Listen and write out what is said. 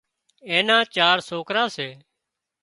اين نا چار سوڪرا سي